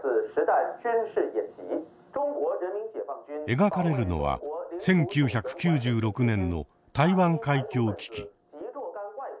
描かれるのは１９９６年の「台湾海峡危機」。